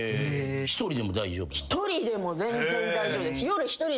一人でも全然大丈夫です。